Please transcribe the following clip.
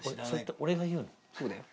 そうだよ。